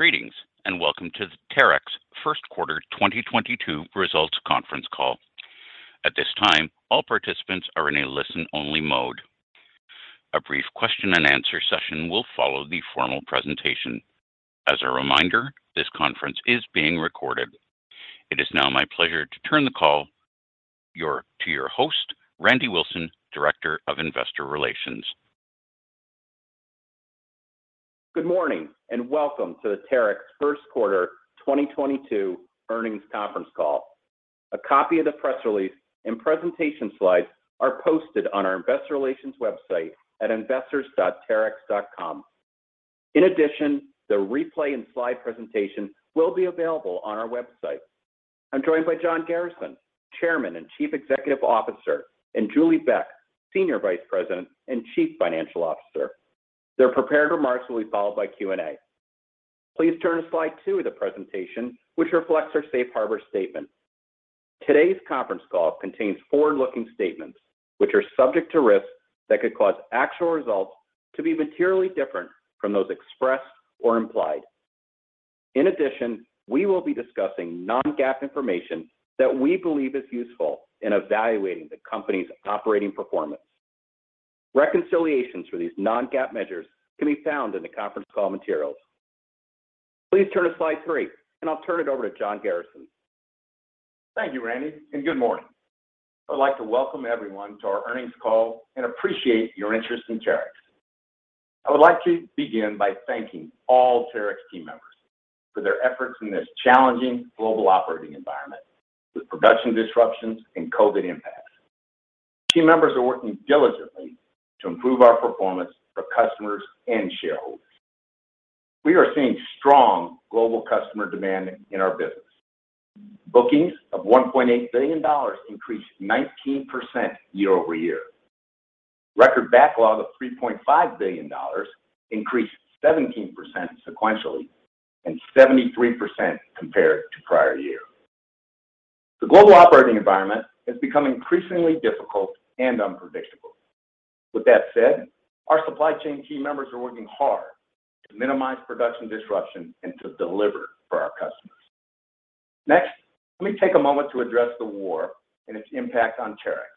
Greetings, and welcome to Terex first quarter 2022 results con ference call. At this time, all participants are in a listen-only mode. A brief question-and-answer session will follow the formal presentation. As a reminder, this conference is being recorded. It is now my pleasure to turn the call to your host, Randy Wilson, Director of Investor Relations. Good morning, and welcome to the Terex first quarter 2022 earnings conference call. A copy of the press release and presentation slides are posted on our investor relations website at investors.terex.com. In addition, the replay and slide presentation will be available on our website. I'm joined by John Garrison, Chairman and Chief Executive Officer, and Julie Beck, Senior Vice President and Chief Financial Officer. Their prepared remarks will be followed by Q&A. Please turn to slide two of the presentation, which reflects our safe harbor statement. Today's conference call contains forward-looking statements, which are subject to risks that could cause actual results to be materially different from those expressed or implied. In addition, we will be discussing non-GAAP information that we believe is useful in evaluating the company's operating performance. Reconciliations for these non-GAAP measures can be found in the conference call materials. Please turn to slide three, and I'll turn it over to John Garrison. Thank you, Randy, and good morning. I'd like to welcome everyone to our earnings call and appreciate your interest in Terex. I would like to begin by thanking all Terex team members for their efforts in this challenging global operating environment with production disruptions and COVID impacts. Team members are working diligently to improve our performance for customers and shareholders. We are seeing strong global customer demand in our business. Bookings of $1.8 billion increased 19% year-over-year. Record backlog of $3.5 billion increased 17% sequentially and 73% compared to prior year. The global operating environment has become increasingly difficult and unpredictable. With that said, our supply chain team members are working hard to minimize production disruption and to deliver for our customers. Next, let me take a moment to address the war and its impact on Terex.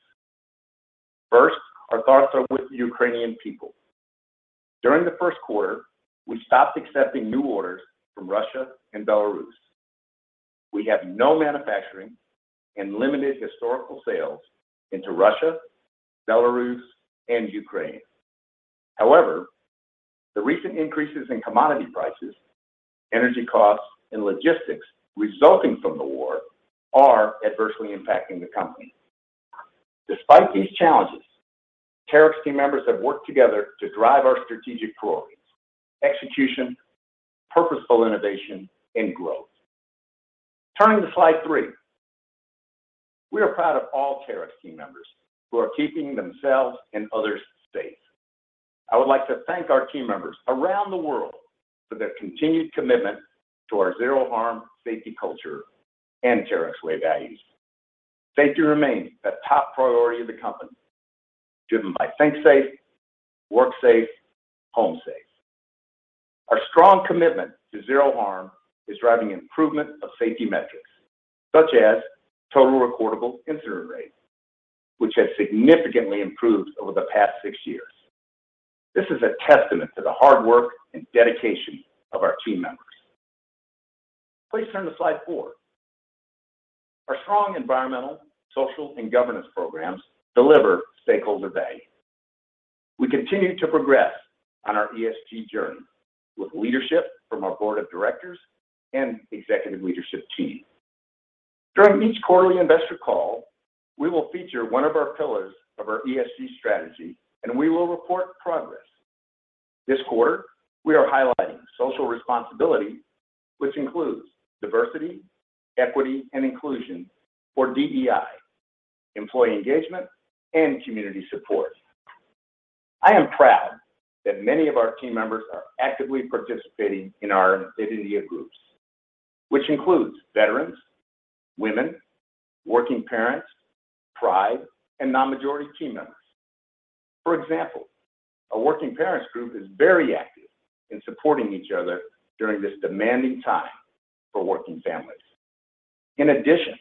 First, our thoughts are with the Ukrainian people. During the first quarter, we stopped accepting new orders from Russia and Belarus. We have no manufacturing and limited historical sales into Russia, Belarus, and Ukraine. However, the recent increases in commodity prices, energy costs, and logistics resulting from the war are adversely impacting the company. Despite these challenges, Terex team members have worked together to drive our strategic priorities, execution, purposeful innovation, and growth. Turning to slide three. We are proud of all Terex team members who are keeping themselves and others safe. I would like to thank our team members around the world for their continued commitment to our Zero Harm safety culture and Terex Way values. Safety remains the top priority of the company, driven by Think Safe, Work Safe, Home Safe. Our strong commitment to Zero Harm is driving improvement of safety metrics, such as total recordable incident rate, which has significantly improved over the past six years. This is a testament to the hard work and dedication of our team members. Please turn to slide four. Our strong environmental, social, and governance programs deliver stakeholder value. We continue to progress on our ESG journey with leadership from our board of directors and executive leadership team. During each quarterly investor call, we will feature one of our pillars of our ESG strategy, and we will report progress. This quarter, we are highlighting social responsibility, which includes diversity, equity, and inclusion, or DEI, employee engagement, and community support. I am proud that many of our team members are actively participating in our affinity groups, which includes veterans, women, working parents, pride, and non-majority team members. For example, a working parents group is very active in supporting each other during this demanding time for working families. In addition,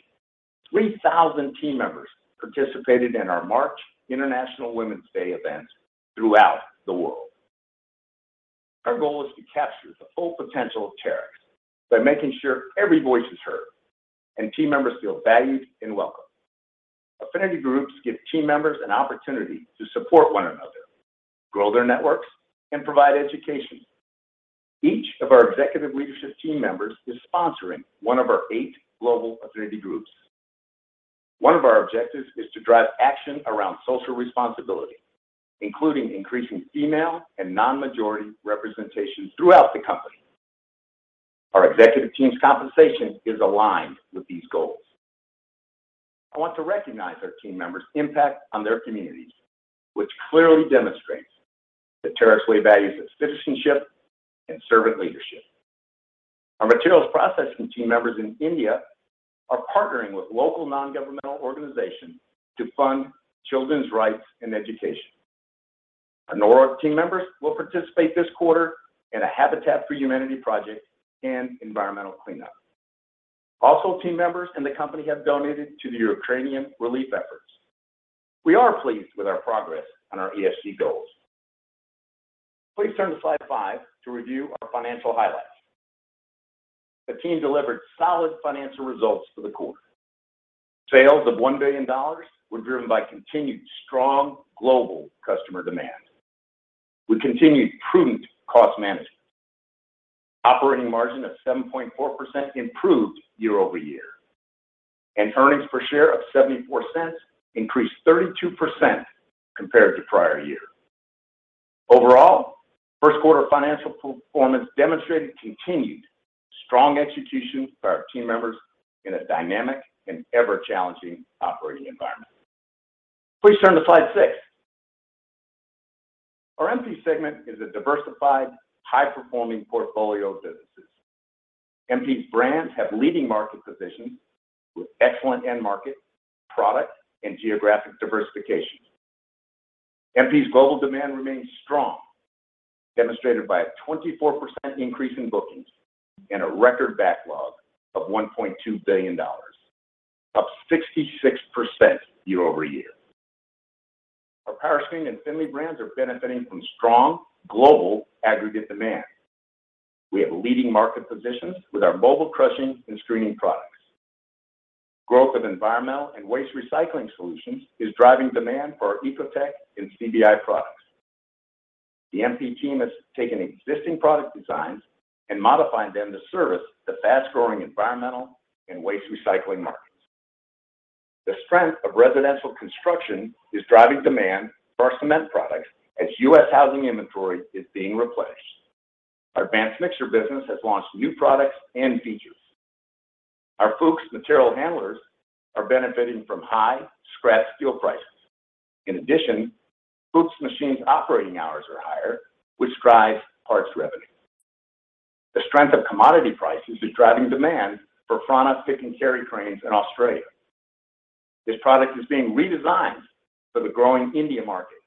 3,000 team members participated in our March International Women's Day events throughout the world. Our goal is to capture the full potential of Terex by making sure every voice is heard and team members feel valued and welcome. Affinity groups give team members an opportunity to support one another, grow their networks, and provide education. Each of our executive leadership team members is sponsoring one of our eight global affinity groups. One of our objectives is to drive action around social responsibility, including increasing female and non-majority representation throughout the company. Our executive team's compensation is aligned with these goals. I want to recognize our team members' impact on their communities, which clearly demonstrates the Terex Way values of citizenship and servant leadership. Our materials processing team members in India are partnering with local non-governmental organizations to fund children's rights and education. Our Norfolk team members will participate this quarter in a Habitat for Humanity project and environmental cleanup. Also, team members in the company have donated to the Ukrainian relief efforts. We are pleased with our progress on our ESG goals. Please turn to slide five to review our financial highlights. The team delivered solid financial results for the quarter. Sales of $1 billion were driven by continued strong global customer demand. We continued prudent cost management. Operating margin of 7.4% improved year-over-year. Earnings per share of $0.74 increased 32% compared to prior year. Overall, first quarter financial performance demonstrated continued strong execution by our team members in a dynamic and ever-challenging operating environment. Please turn to slide six. Our MP segment is a diversified, high-performing portfolio of businesses. MP's brands have leading market positions with excellent end market, product, and geographic diversification. MP's global demand remains strong, demonstrated by a 24% increase in bookings and a record backlog of $1.2 billion, up 66% year-over-year. Our Powerscreen and Finlay brands are benefiting from strong global aggregate demand. We have leading market positions with our mobile crushing and screening products. Growth of environmental and waste recycling solutions is driving demand for our Ecotec and CBI products. The MP team has taken existing product designs and modified them to service the fast-growing environmental and waste recycling markets. The strength of residential construction is driving demand for our concrete products as U.S. housing inventory is being replaced. Our advanced mixer business has launched new products and features. Our Fuchs material handlers are benefiting from high scrap steel prices. In addition, Fuchs machines' operating hours are higher, which drives parts revenue. The strength of commodity prices is driving demand for Franna pick-and-carry cranes in Australia. This product is being redesigned for the growing India market,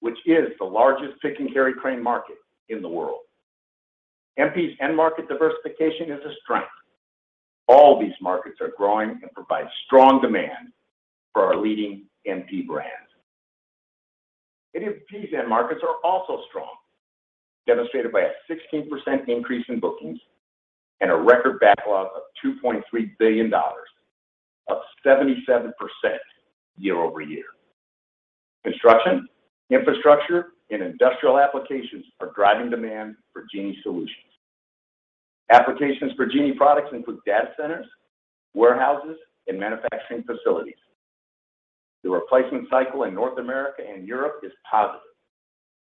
which is the largest pick-and-carry crane market in the world. MP's end market diversification is a strength. All these markets are growing and provide strong demand for our leading MP brands. AWP's end markets are also strong, demonstrated by a 16% increase in bookings and a record backlog of $2.3 billion, up 77% year-over-year. Construction, infrastructure, and industrial applications are driving demand for Genie solutions. Applications for Genie products include data centers, warehouses, and manufacturing facilities. The replacement cycle in North America and Europe is positive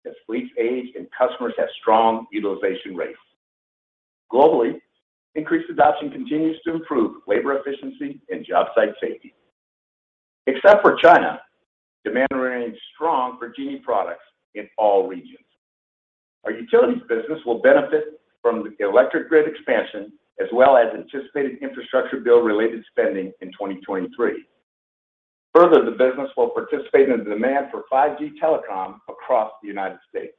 as fleets age and customers have strong utilization rates. Globally, increased adoption continues to improve labor efficiency and job site safety. Except for China, demand remains strong for Genie products in all regions. Our utilities business will benefit from the electric grid expansion as well as anticipated infrastructure bill-related spending in 2023. Further, the business will participate in the demand for 5G telecom across the United States.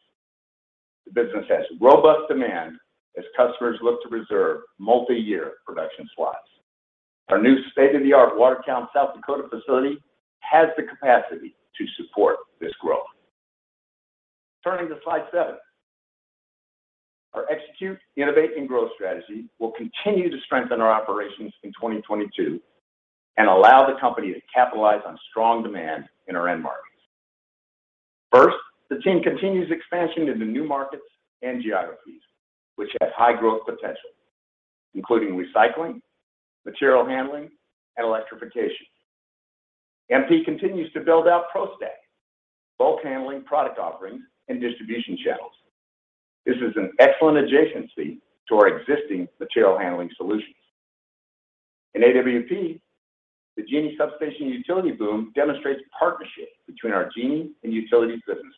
The business has robust demand as customers look to reserve multi-year production slots. Our new state-of-the-art Watertown, South Dakota facility has the capacity to support this growth. Turning to slide seven. Our execute, innovate, and growth strategy will continue to strengthen our operations in 2022 and allow the company to capitalize on strong demand in our end markets. First, the team continues expansion into new markets and geographies which has high growth potential, including recycling, material handling, and electrification. MP continues to build out ProStack, bulk handling product offerings, and distribution channels. This is an excellent adjacency to our existing material handling solutions. In AWP, the Genie Substation Utility Boom demonstrates partnership between our Genie and utilities businesses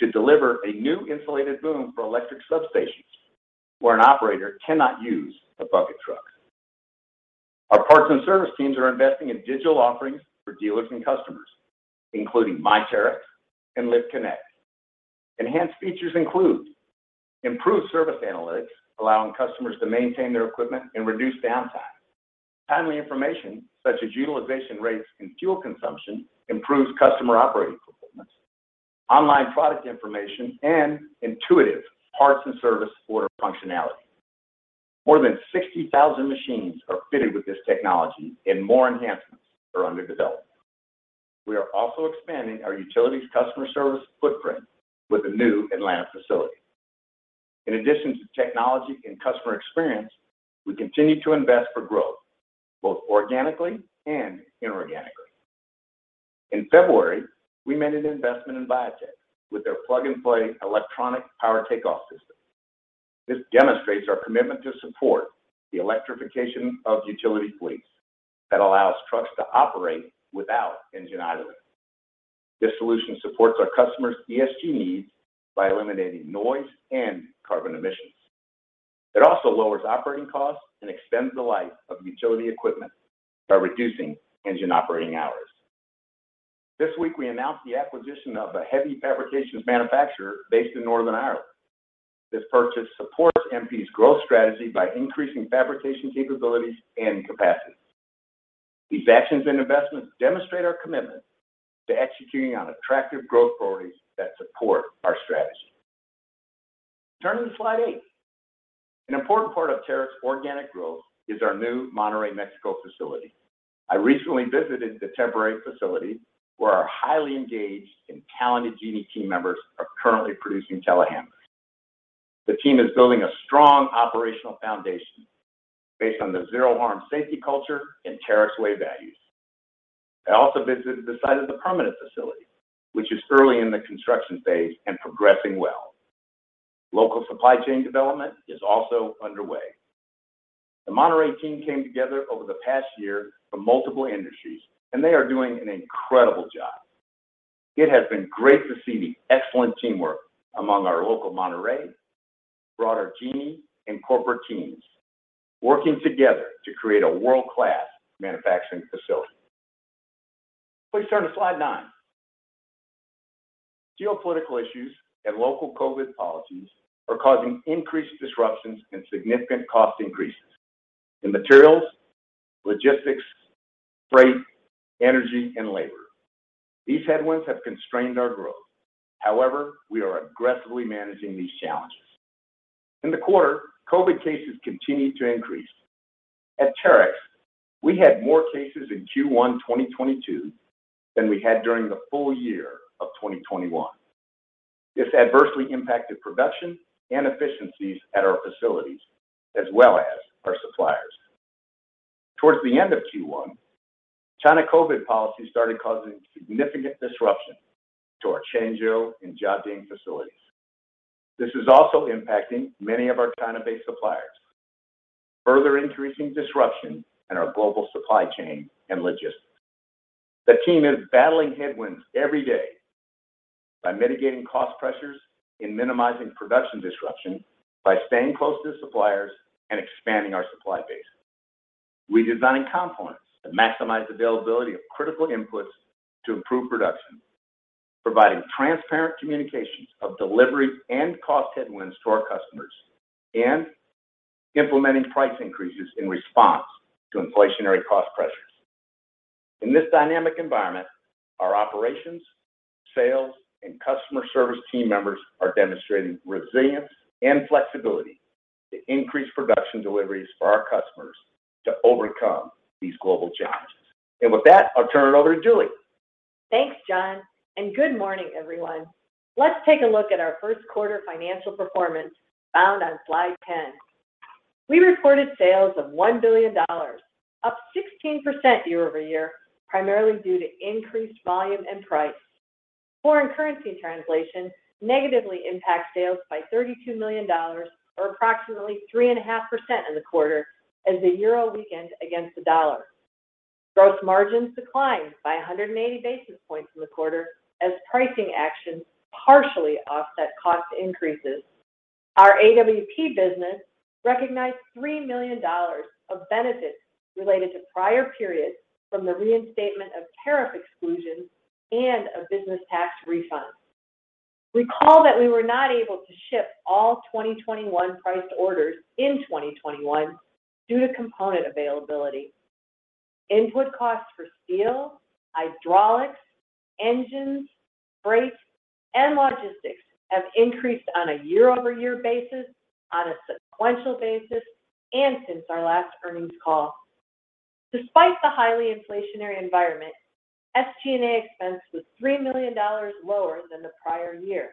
to deliver a new insulated boom for electric substations where an operator cannot use a bucket truck. Our parts and service teams are investing in digital offerings for dealers and customers, including myTerex and LiftConnect. Enhanced features include improved service analytics, allowing customers to maintain their equipment and reduce downtime. Timely information such as utilization rates and fuel consumption improves customer operating performance, online product information, and intuitive parts and service order functionality. More than 60,000 machines are fitted with this technology and more enhancements are under development. We are also expanding our utilities customer service footprint with a new Atlanta facility. In addition to technology and customer experience, we continue to invest for growth, both organically and inorganically. In February, we made an investment in Viatec with their plug-and-play electronic power takeoff system. This demonstrates our commitment to support the electrification of utility fleets that allows trucks to operate without engine idling. This solution supports our customers' ESG needs by eliminating noise and carbon emissions. It also lowers operating costs and extends the life of utility equipment by reducing engine operating hours. This week, we announced the acquisition of a heavy fabrications manufacturer based in Northern Ireland. This purchase supports MP's growth strategy by increasing fabrication capabilities and capacity. These actions and investments demonstrate our commitment to executing on attractive growth priorities that support our strategy. Turning to slide eight. An important part of Terex organic growth is our new Monterrey, Mexico facility. I recently visited the temporary facility where our highly engaged and talented Genie team members are currently producing telehandlers. The team is building a strong operational foundation based on the Zero Harm safety culture and Terex Way values. I also visited the site of the permanent facility, which is early in the construction phase and progressing well. Local supply chain development is also underway. The Monterrey team came together over the past year from multiple industries, and they are doing an incredible job. It has been great to see the excellent teamwork among our local Monterrey, broader Genie, and corporate teams working together to create a world-class manufacturing facility. Please turn to slide nine. Geopolitical issues and local COVID policies are causing increased disruptions and significant cost increases in materials, logistics, freight, energy, and labor. These headwinds have constrained our growth. However, we are aggressively managing these challenges. In the quarter, COVID cases continued to increase. At Terex, we had more cases in Q1 2022 than we had during the full year of 2021. This adversely impacted production and efficiencies at our facilities as well as our suppliers. Toward the end of Q1, China COVID policies started causing significant disruption to our Changzhou and Jiaxing facilities. This is also impacting many of our China-based suppliers, further increasing disruption in our global supply chain and logistics. The team is battling headwinds every day by mitigating cost pressures and minimizing production disruption by staying close to suppliers and expanding our supply base, redesigning components that maximize availability of critical inputs to improve production, providing transparent communications of delivery and cost headwinds to our customers, and implementing price increases in response to inflationary cost pressures. In this dynamic environment, our operations, sales, and customer service team members are demonstrating resilience and flexibility to increase production deliveries for our customers to overcome these global challenges. With that, I'll turn it over to Julie. Thanks, John, and good morning, everyone. Let's take a look at our first quarter financial performance found on slide 10. We reported sales of $1 billion, up 16% year-over-year, primarily due to increased volume and price. Foreign currency translation negatively impacts sales by $32 million or approximately 3.5% in the quarter as the euro weakened against the dollar. Gross margins declined by 180 basis points in the quarter as pricing actions partially offset cost increases. Our AWP business recognized $3 million of benefits related to prior periods from the reinstatement of tariff exclusions and a business tax refund. Recall that we were not able to ship all 2021 priced orders in 2021 due to component availability. Input costs for steel, hydraulics, engines, brakes, and logistics have increased on a year-over-year basis, on a sequential basis, and since our last earnings call. Despite the highly inflationary environment, SG&A expense was $3 million lower than the prior year.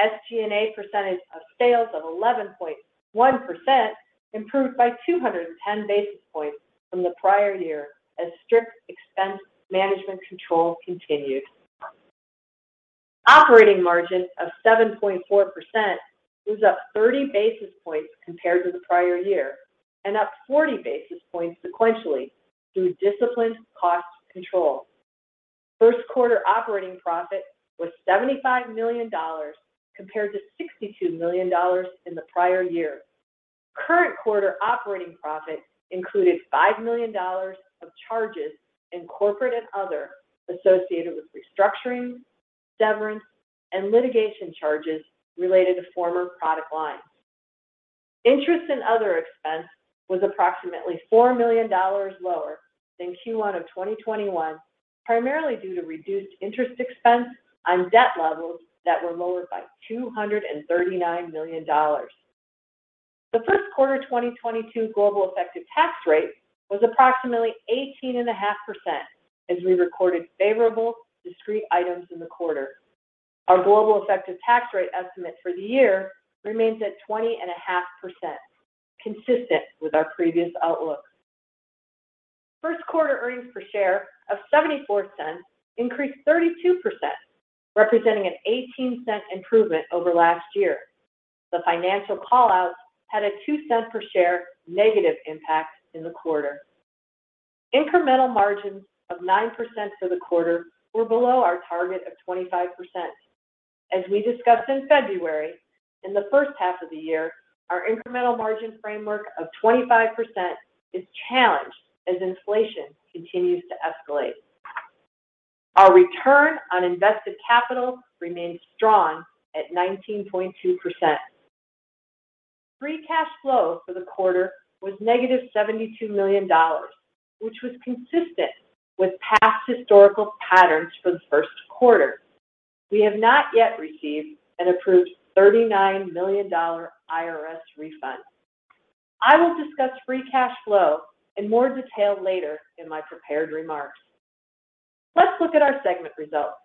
SG&A percentage of sales of 11.1% improved by 210 basis points from the prior year as strict expense management control continued. Operating margin of 7.4% was up 30 basis points compared to the prior year and up 40 basis points sequentially through disciplined cost control. First quarter operating profit was $75 million compared to $62 million in the prior year. Current quarter operating profit included $5 million of charges in corporate and other associated with restructuring, severance, and litigation charges related to former product lines. Interest and other expense was approximately $4 million lower than Q1 of 2021, primarily due to reduced interest expense on debt levels that were lower by $239 million. The first quarter 2022 global effective tax rate was approximately 18.5% as we recorded favorable discrete items in the quarter. Our global effective tax rate estimate for the year remains at 20.5%, consistent with our previous outlook. First quarter earnings per share of $0.74 increased 32%, representing an $0.18 improvement over last year. The financial call-outs had a $0.02 per share negative impact in the quarter. Incremental margins of 9% for the quarter were below our target of 25%. As we discussed in February, in the first half of the year, our incremental margin framework of 25% is challenged as inflation continues to escalate. Our return on invested capital remains strong at 19.2%. Free cash flow for the quarter was $-72 million, which was consistent with past historical patterns for the first quarter. We have not yet received an approved $39 million IRS refund. I will discuss free cash flow in more detail later in my prepared remarks. Let's look at our segment results,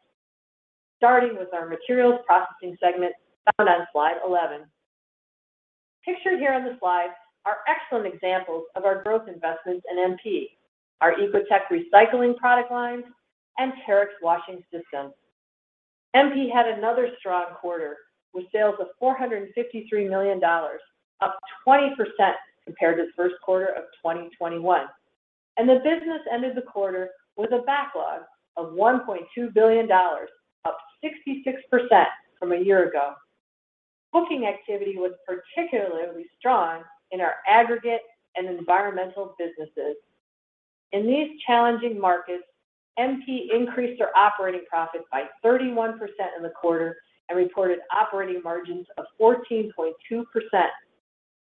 starting with our materials processing segment found on slide 11. Pictured here on the slide are excellent examples of our growth investments in MP, our Ecotec recycling product lines and Terex Washing Systems. MP had another strong quarter with sales of $453 million, up 20% compared to the first quarter of 2021. The business ended the quarter with a backlog of $1.2 billion, up 66% from a year ago. Booking activity was particularly strong in our aggregate and environmental businesses. In these challenging markets, MP increased their operating profit by 31% in the quarter and reported operating margins of 14.2%,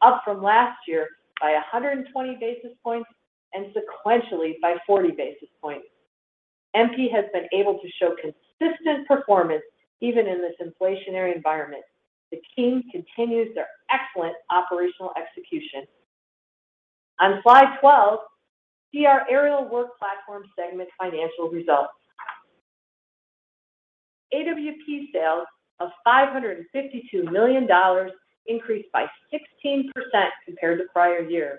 up from last year by 120 basis points and sequentially by 40 basis points. MP has been able to show consistent performance even in this inflationary environment. The team continues their excellent operational execution. On slide 12, see our aerial work platform segment financial results. AWP sales of $552 million increased by 16% compared to prior year.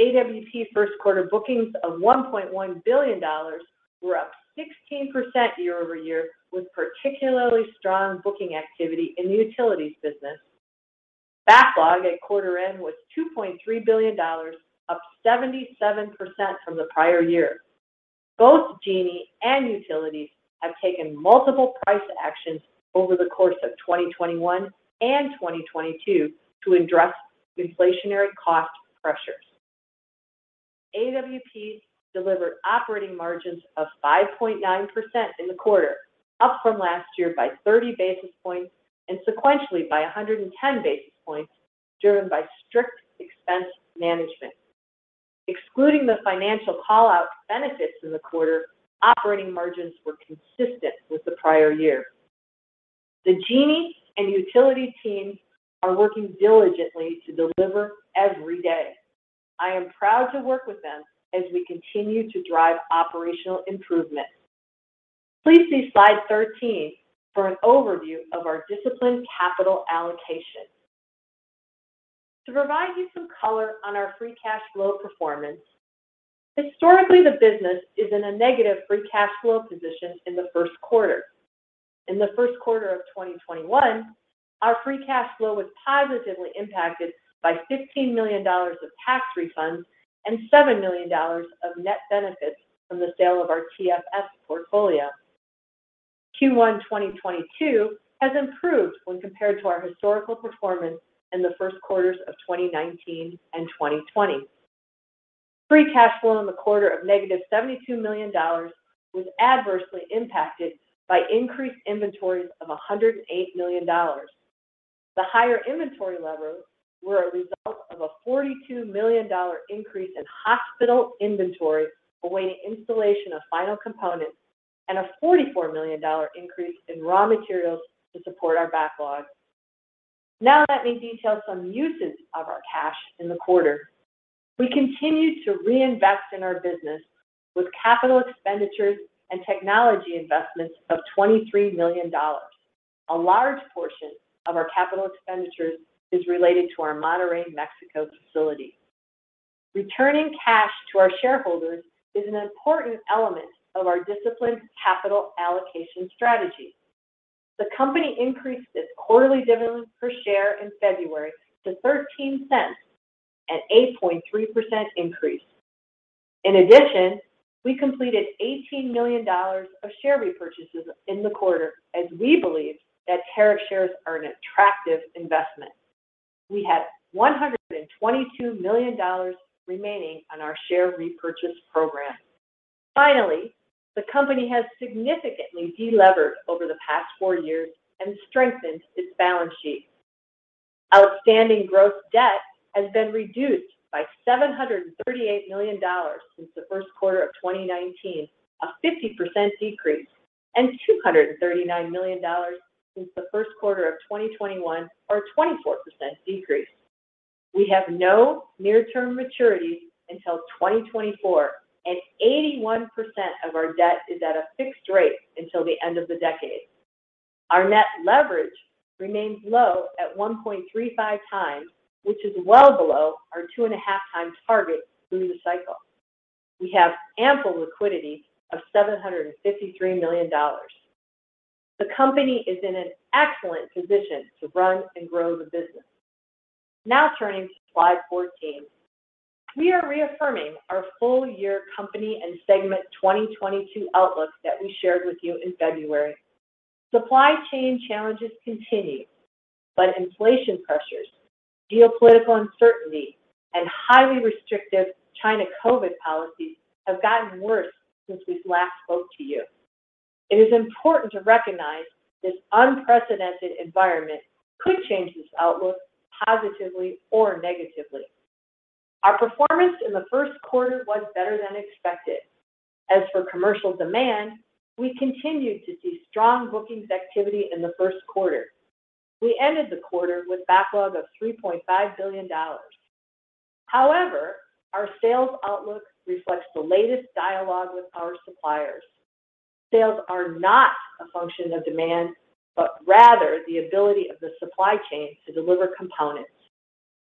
AWP first quarter bookings of $1.1 billion were up 16% year-over-year, with particularly strong booking activity in the utilities business. Backlog at quarter end was $2.3 billion, up 77% from the prior year. Both Genie and Utilities have taken multiple price actions over the course of 2021 and 2022 to address inflationary cost pressures. AWP delivered operating margins of 5.9% in the quarter, up from last year by 30 basis points and sequentially by 110 basis points, driven by strict expense management. Excluding the financial call-out benefits in the quarter, operating margins were consistent with the prior year. The Genie and Utility teams are working diligently to deliver every day. I am proud to work with them as we continue to drive operational improvement. Please see slide 13 for an overview of our disciplined capital allocation. To provide you some color on our free cash flow performance, historically, the business is in a negative free cash flow position in the first quarter. In the first quarter of 2021, our free cash flow was positively impacted by $15 million of tax refunds and $7 million of net benefits from the sale of our TFS portfolio. Q1 2022 has improved when compared to our historical performance in the first quarters of 2019 and 2020. Free cash flow in the quarter of -$72 million was adversely impacted by increased inventories of $108 million. The higher inventory levels were a result of a $42 million increase in hostage inventory, awaiting installation of final components, and a $44 million increase in raw materials to support our backlog. Now let me detail some uses of our cash in the quarter. We continue to reinvest in our business with capital expenditures and technology investments of $23 million. A large portion of our capital expenditures is related to our Monterrey, Mexico facility. Returning cash to our shareholders is an important element of our disciplined capital allocation strategy. The company increased its quarterly dividend per share in February to $0.13, an 8.3% increase. In addition, we completed $18 million of share repurchases in the quarter as we believe that Terex shares are an attractive investment. We had $122 million remaining on our share repurchase program. Finally, the company has significantly delevered over the past four years and strengthened its balance sheet. Outstanding gross debt has been reduced by $738 million since the first quarter of 2019, a 50% decrease, and $239 million since the first quarter of 2021, or a 24% decrease. We have no near-term maturities until 2024, and 81% of our debt is at a fixed rate until the end of the decade. Our net leverage remains low at 1.35x, which is well below our 2.5x target through the cycle. We have ample liquidity of $753 million. The company is in an excellent position to run and grow the business. Now turning to slide 14. We are reaffirming our full year company and segment 2022 outlook that we shared with you in February. Supply chain challenges continue, but inflation pressures, geopolitical uncertainty, and highly restrictive China COVID policies have gotten worse since we last spoke to you. It is important to recognize this unprecedented environment could change this outlook positively or negatively. Our performance in the first quarter was better than expected. As for commercial demand, we continued to see strong bookings activity in the first quarter. We ended the quarter with backlog of $3.5 billion. However, our sales outlook reflects the latest dialogue with our suppliers. Sales are not a function of demand, but rather the ability of the supply chain to deliver components.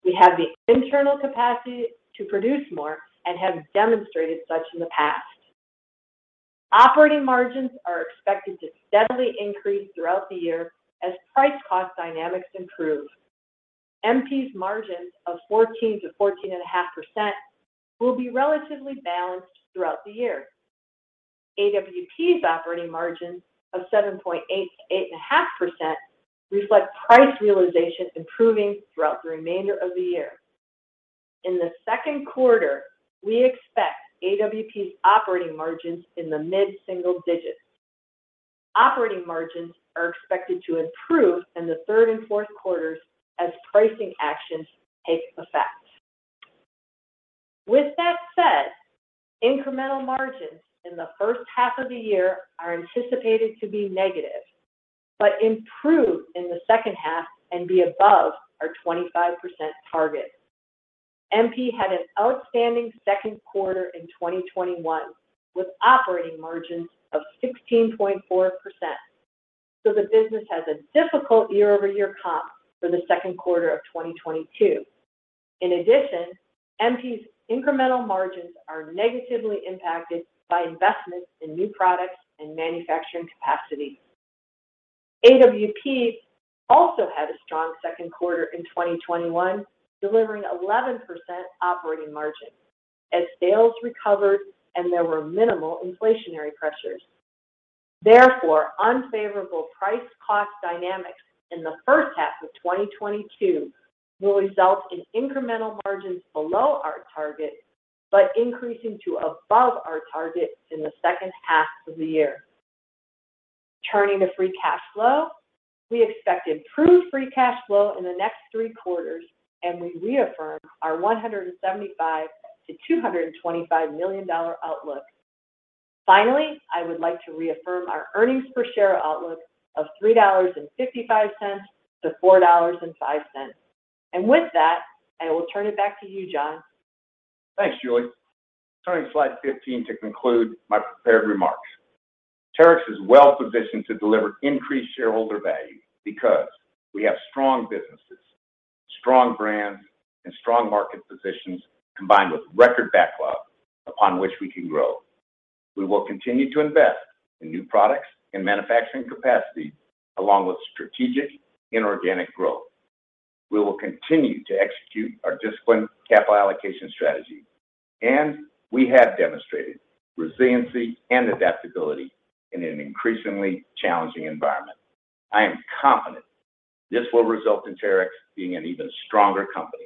We have the internal capacity to produce more and have demonstrated such in the past. Operating margins are expected to steadily increase throughout the year as price cost dynamics improve. MP's margins of 14%-14.5% will be relatively balanced throughout the year. AWP's operating margins of 7.8%-8.5% reflect price realization improving throughout the remainder of the year. In the second quarter, we expect AWP's operating margins in the mid-single digits. Operating margins are expected to improve in the third and fourth quarters as pricing actions take effect. With that said, incremental margins in the first half of the year are anticipated to be negative, but improve in the second half and be above our 25% target. MP had an outstanding second quarter in 2021, with operating margins of 16.4%. The business has a difficult year-over-year comp for the second quarter of 2022. In addition, MP's incremental margins are negatively impacted by investments in new products and manufacturing capacity. AWP also had a strong second quarter in 2021, delivering 11% operating margins as sales recovered and there were minimal inflationary pressures. Therefore, unfavorable price cost dynamics in the first half of 2022 will result in incremental margins below our target, but increasing to above our target in the second half of the year. Turning to free cash flow, we expect improved free cash flow in the next three quarters, and we reaffirm our $175 million-$225 million outlook. Finally, I would like to reaffirm our earnings per share outlook of $3.55-$4.05. With that, I will turn it back to you, John. Thanks, Julie. Turning to slide 15 to conclude my prepared remarks. Terex is well-positioned to deliver increased shareholder value because we have strong businesses, strong brands, and strong market positions combined with record backlog upon which we can grow. We will continue to invest in new products and manufacturing capacity along with strategic inorganic growth. We will continue to execute our disciplined capital allocation strategy, and we have demonstrated resiliency and adaptability in an increasingly challenging environment. I am confident this will result in Terex being an even stronger company.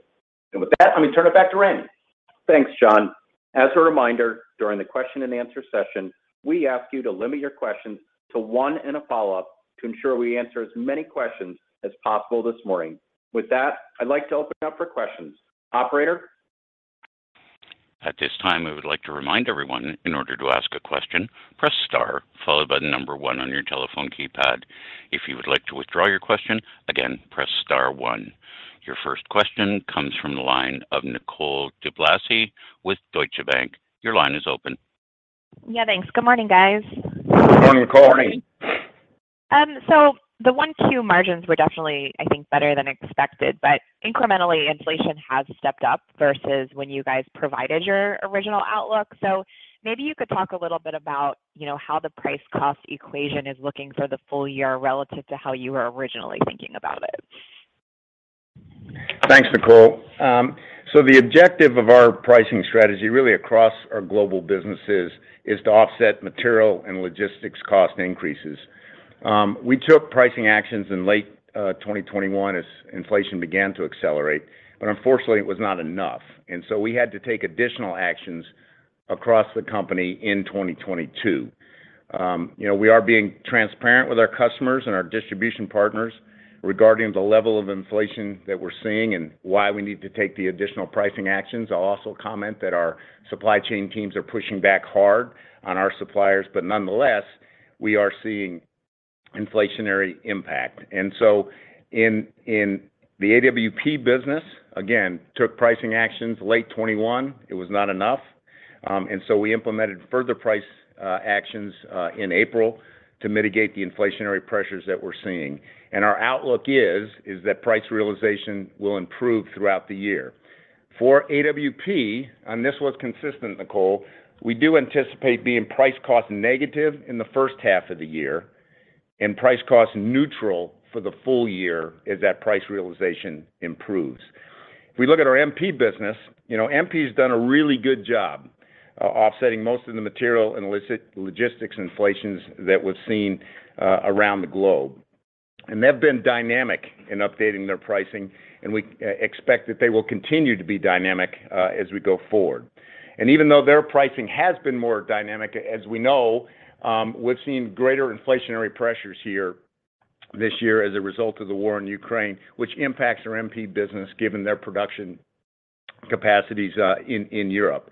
With that, let me turn it back to Randy. Thanks, John. As a reminder, during the question-and-answer session, we ask you to limit your questions to one and a follow-up to ensure we answer as many questions as possible this morning. With that, I'd like to open up for questions. Operator? At this time, I would like to remind everyone, to ask a question, press star followed by the number one on your telephone keypad. If you would like to withdraw your question, again, press star one. Your first question comes from the line of Nicole DeBlase with Deutsche Bank. Your line is open. Yeah, thanks. Good morning, guys. Good morning, Nicole. Morning. The 1Q margins were definitely, I think, better than expected, but incrementally inflation has stepped up versus when you guys provided your original outlook. Maybe you could talk a little bit about, you know, how the price cost equation is looking for the full year relative to how you were originally thinking about it. Thanks, Nicole. The objective of our pricing strategy really across our global businesses is to offset material and logistics cost increases. We took pricing actions in late 2021 as inflation began to accelerate, but unfortunately it was not enough. We had to take additional actions across the company in 2022. You know, we are being transparent with our customers and our distribution partners regarding the level of inflation that we're seeing and why we need to take the additional pricing actions. I'll also comment that our supply chain teams are pushing back hard on our suppliers, but nonetheless, we are seeing inflationary impact. In the AWP business, again took pricing actions late 2021. It was not enough. We implemented further price actions in April to mitigate the inflationary pressures that we're seeing. Our outlook is that price realization will improve throughout the year. For AWP, and this was consistent, Nicole, we do anticipate being price cost negative in the first half of the year and price cost neutral for the full year as that price realization improves. If we look at our MP business, you know, MP's done a really good job offsetting most of the material and logistics inflations that we've seen around the globe. They've been dynamic in updating their pricing, and we expect that they will continue to be dynamic as we go forward. Even though their pricing has been more dynamic, as we know, we've seen greater inflationary pressures here this year as a result of the war in Ukraine, which impacts our MP business given their production capacities in Europe.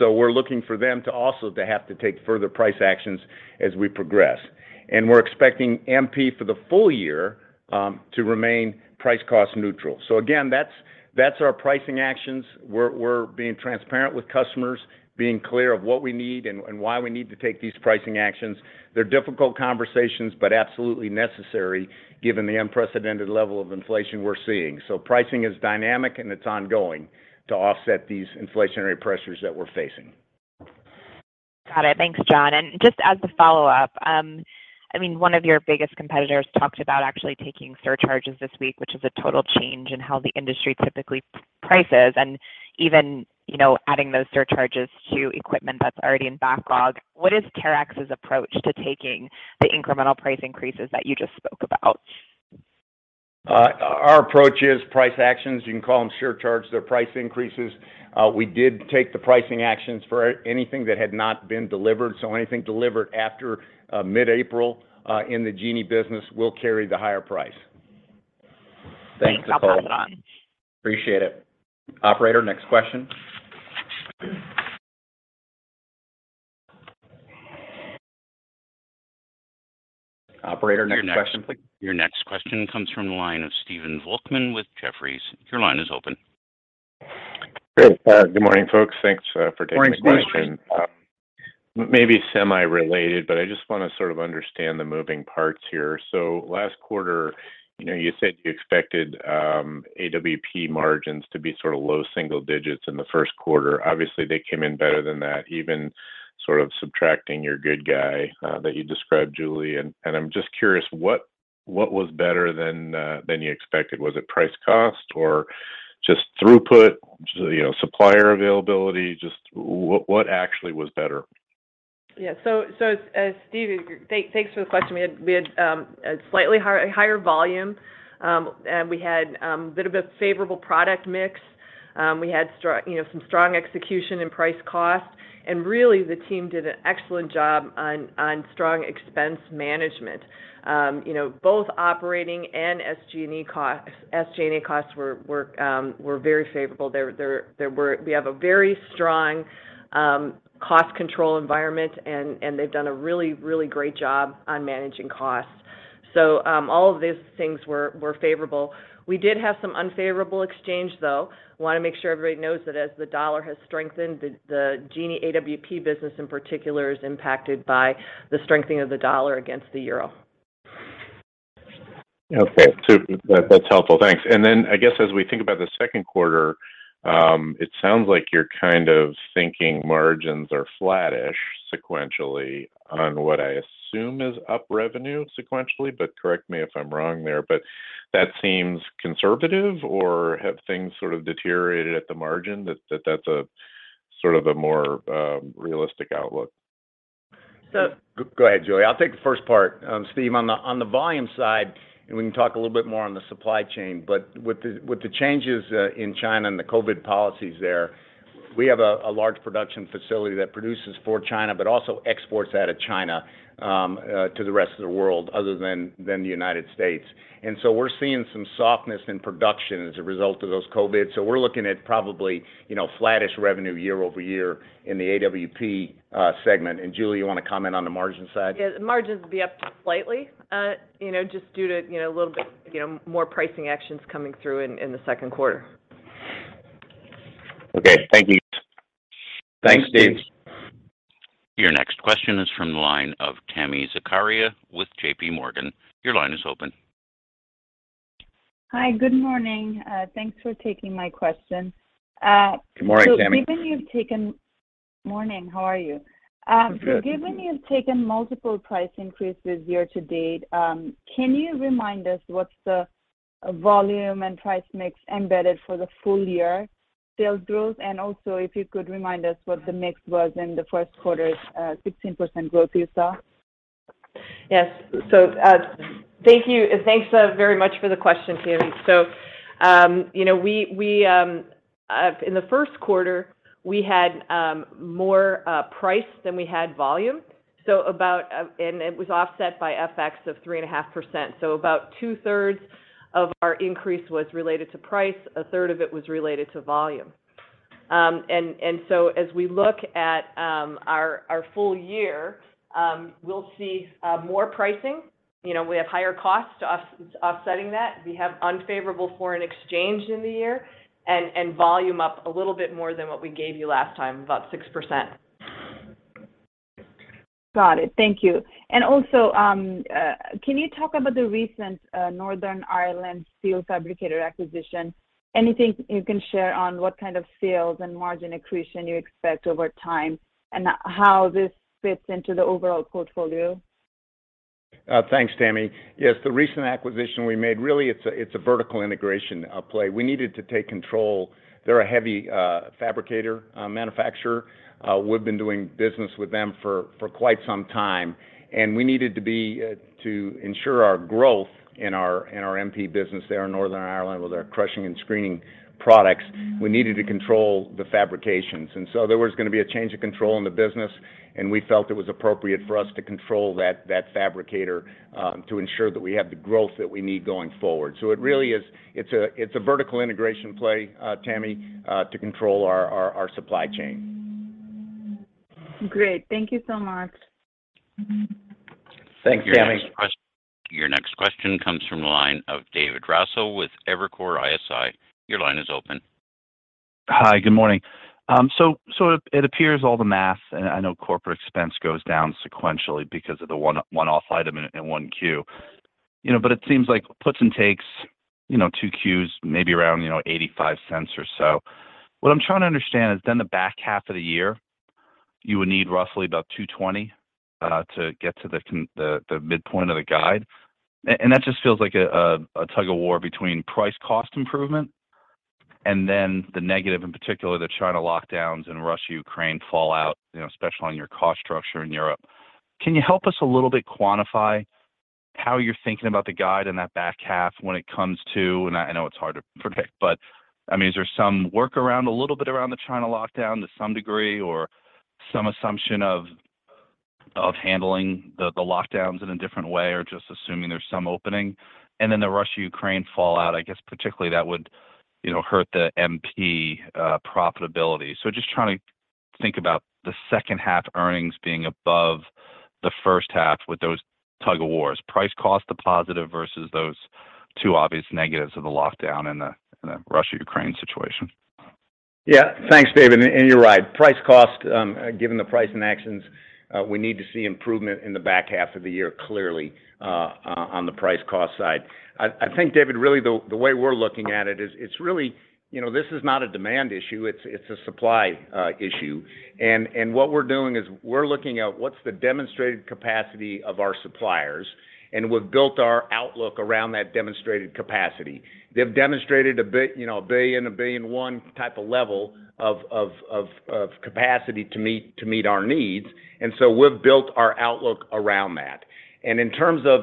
We're looking for them to also have to take further price actions as we progress. We're expecting MP for the full year to remain price cost neutral. That's our pricing actions. We're being transparent with customers, being clear of what we need and why we need to take these pricing actions. They're difficult conversations, but absolutely necessary given the unprecedented level of inflation we're seeing. Pricing is dynamic, and it's ongoing to offset these inflationary pressures that we're facing. Got it. Thanks, John. Just as a follow-up, I mean, one of your biggest competitors talked about actually taking surcharges this week, which is a total change in how the industry typically prices and even, you know, adding those surcharges to equipment that's already in backlog. What is Terex's approach to taking the incremental price increases that you just spoke about? Our approach is price actions. You can call them surcharges. They're price increases. We did take the pricing actions for anything that had not been delivered. Anything delivered after mid-April in the Genie business will carry the higher price. Thanks, John. Thanks, Nicole. Appreciate it. Operator, next question. Operator, next question please. Your next question comes from the line of Stephen Volkmann with Jefferies. Your line is open. Great. Good morning, folks. Thanks for taking my question. Morning, Steve. Maybe semi-related, but I just wanna sort of understand the moving parts here. Last quarter, you know, you said you expected AWP margins to be sort of low single digits in the first quarter. Obviously, they came in better than that, even sort of subtracting your good guy that you described, Julie. I'm just curious, what was better than you expected? Was it price cost, or just throughput, you know, supplier availability? Just what actually was better? Yeah. Steve, thanks for the question. We had a slightly higher volume and we had a bit of a favorable product mix. We had strong, you know, some strong execution in price cost, and really, the team did an excellent job on strong expense management. You know, both operating and SG&A costs were very favorable. We have a very strong cost control environment and they've done a really great job on managing costs. All of these things were favorable. We did have some unfavorable exchange, though. Want to make sure everybody knows that as the dollar has strengthened, the Genie AWP business in particular is impacted by the strengthening of the dollar against the euro. Okay. That's helpful. Thanks. Then I guess as we think about the second quarter, it sounds like you're kind of thinking margins are flattish sequentially on what I assume is up revenue sequentially, but correct me if I'm wrong there. That seems conservative, or have things sort of deteriorated at the margin that's a sort of a more realistic outlook? So- Go ahead, Julie. I'll take the first part. Steve, on the volume side, and we can talk a little bit more on the supply chain, but with the changes in China and the COVID policies there, we have a large production facility that produces for China, but also exports out of China to the rest of the world other than the United States. We're seeing some softness in production as a result of those COVID. We're looking at probably, you know, flattish revenue year-over-year in the AWP segment. Julie, you wanna comment on the margin side? Yeah. The margins will be up slightly, you know, just due to, you know, a little bit, you know, more pricing actions coming through in the second quarter. Okay. Thank you. Thanks, Steve. Your next question is from the line of Tami Zakaria with J.P. Morgan. Your line is open. Hi. Good morning. Thanks for taking my question. Good morning, Tami. Morning. How are you? I'm good. Given you've taken multiple price increases year to date, can you remind us what's the volume and price mix embedded for the full year sales growth? Also, if you could remind us what the mix was in the first quarter's 16% growth you saw. Yes. Thank you, and thanks, very much for the question, Tami. You know, we in the first quarter, we had more price than we had volume. And it was offset by FX of 3.5%. About 2/3 of our increase was related to price, 1/3 of it was related to volume. As we look at our full year, we'll see more pricing. You know, we have higher costs offsetting that. We have unfavorable foreign exchange in the year and volume up a little bit more than what we gave you last time, about 6%. Got it. Thank you. Can you talk about the recent Northern Ireland steel fabricator acquisition? Anything you can share on what kind of sales and margin accretion you expect over time and how this fits into the overall portfolio? Thanks, Tami. Yes, the recent acquisition we made, really it's a vertical integration play. We needed to take control. They're a heavy fabricator manufacturer. We've been doing business with them for quite some time, and we needed to ensure our growth in our MP business there in Northern Ireland with our crushing and screening products, we needed to control the fabrications. There was gonna be a change of control in the business, and we felt it was appropriate for us to control that fabricator to ensure that we have the growth that we need going forward. It really is a vertical integration play, Tami, to control our supply chain. Great. Thank you so much. Thanks, Tami. Your next question comes from the line of David Raso with Evercore ISI. Your line is open. Hi. Good morning. It appears all the math, and I know corporate expense goes down sequentially because of the one-off item in 1Q. You know, it seems like puts and takes, you know, 2 Qs maybe around, you know, $0.85 or so. What I'm trying to understand is then the back half of the year, you would need roughly about $2.20 to get to the midpoint of the guide. That just feels like a tug-of-war between price cost improvement and then the negative, in particular, the China lockdowns and Russia-Ukraine fallout, you know, especially on your cost structure in Europe. Can you help us a little bit quantify how you're thinking about the guide in that back half when it comes to, and I know it's hard to predict, but I mean, is there some workaround a little bit around the China lockdown to some degree or some assumption of handling the lockdowns in a different way or just assuming there's some opening? The Russia-Ukraine fallout, I guess, particularly that would you know hurt the MP profitability. Just trying to think about the second half earnings being above the first half with those tug-of-wars. Price-cost the positive versus those two obvious negatives of the lockdown and the Russia-Ukraine situation. Yeah. Thanks, David, you're right. Price cost, given the pricing actions, we need to see improvement in the back half of the year clearly, on the price cost side. I think, David, really the way we're looking at it is it's really, you know, this is not a demand issue, it's a supply issue. What we're doing is we're looking at what's the demonstrated capacity of our suppliers, and we've built our outlook around that demonstrated capacity. They've demonstrated a $1.1 billion type of level of capacity to meet our needs. We've built our outlook around that. In terms of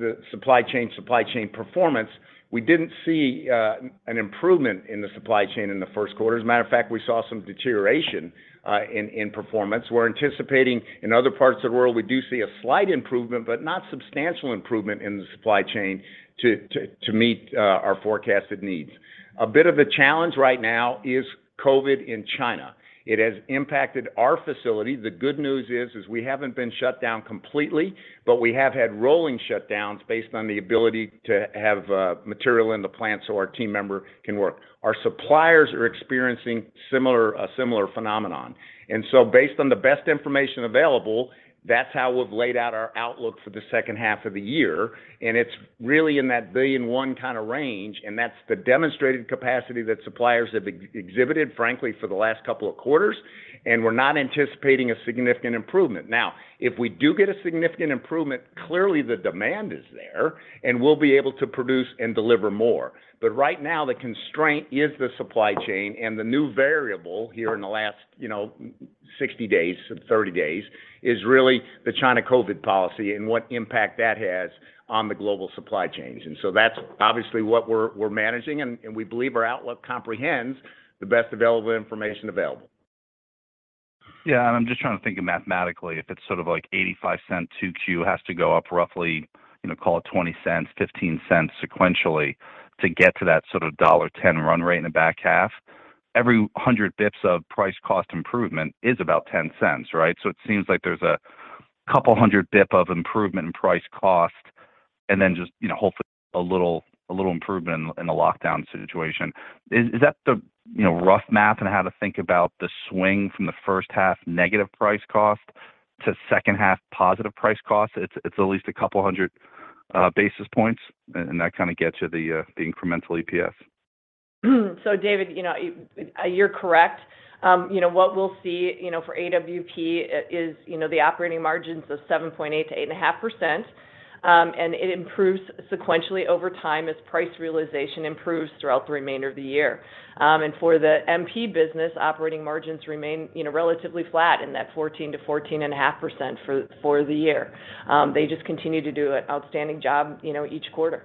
the supply chain performance, we didn't see an improvement in the supply chain in the first quarter. As a matter of fact, we saw some deterioration in performance. We're anticipating in other parts of the world we do see a slight improvement, but not substantial improvement in the supply chain to meet our forecasted needs. A bit of a challenge right now is COVID in China. It has impacted our facility. The good news is we haven't been shut down completely, but we have had rolling shutdowns based on the ability to have material in the plant so our team member can work. Our suppliers are experiencing similar phenomenon. Based on the best information available, that's how we've laid out our outlook for the second half of the year, and it's really in that $1.1 billion kind of range, and that's the demonstrated capacity that suppliers have exhibited, frankly, for the last couple of quarters. We're not anticipating a significant improvement. Now, if we do get a significant improvement, clearly the demand is there, and we'll be able to produce and deliver more. Right now, the constraint is the supply chain, and the new variable here in the last, you know, 60 days, 30 days, is really the China COVID policy and what impact that has on the global supply chains. That's obviously what we're managing, and we believe our outlook comprehends the best available information available. Yeah. I'm just trying to think of mathematically, if it's sort of like $0.85 2Q has to go up roughly, you know, call it $0.20, $0.15 sequentially to get to that sort of $1.10 run rate in the back half. Every 100 basis points of price cost improvement is about $0.10, right? So it seems like there's a couple hundred basis points of improvement in price cost and then just, you know, hopefully a little improvement in the lockdown situation. Is that the, you know, rough math on how to think about the swing from the first half negative price cost to second half positive price cost? It's at least a couple hundred basis points and that kinda gets you the incremental EPS. David, you know, you're correct. You know, what we'll see, you know, for AWP is, you know, the operating margins of 7.8%-8.5%. It improves sequentially over time as price realization improves throughout the remainder of the year. For the MP business, operating margins remain, you know, relatively flat in that 14%-14.5% for the year. They just continue to do an outstanding job, you know, each quarter.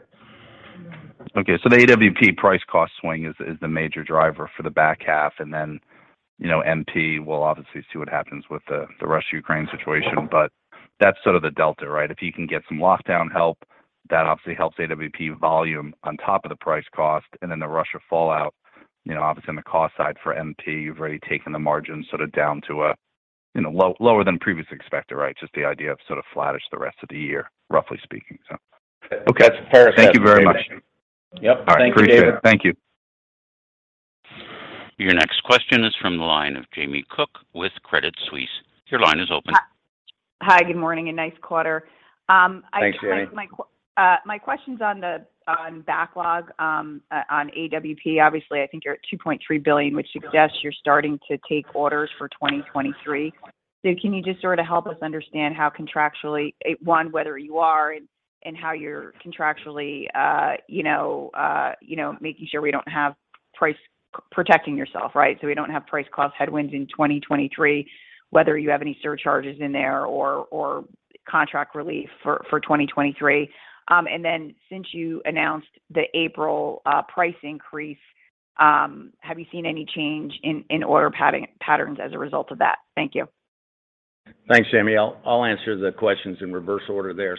Okay. The AWP price cost swing is the major driver for the back half, and then, you know, MP will obviously see what happens with the Russia-Ukraine situation. That's sort of the delta, right? If you can get some lockdown help, that obviously helps AWP volume on top of the price cost, and then the Russia fallout, you know, obviously on the cost side for MP, you've already taken the margins sort of down to a lower than previously expected, right? Just the idea of sort of flattish the rest of the year, roughly speaking. That's fair. Okay. Thank you very much. Yep. Thank you, David. All right. Appreciate it. Thank you. Your next question is from the line of Jamie Cook with Credit Suisse. Your line is open. Hi, good morning, and nice quarter. Thanks, Jamie. My question's on the backlog on AWP. Obviously, I think you're at $2.3 billion, which suggests you're starting to take orders for 2023. Can you just sort of help us understand how contractually A one whether you are and how you're contractually you know making sure we don't have price protection yourself right. We don't have price clause headwinds in 2023, whether you have any surcharges in there or contract relief for 2023. Then since you announced the April price increase, have you seen any change in order patterns as a result of that? Thank you. Thanks, Jamie. I'll answer the questions in reverse order there.